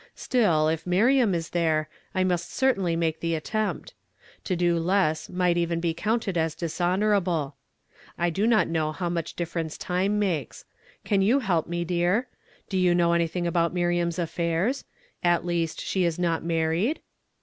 Still, if Miriam is there, I nuist cer taiidy make the attempt. To do less might even be counted as dishcmoral)le. I do not know how much difference time makes. Can you help me, dear? Do you know anything about Miriam's affairs? At least she is not married?"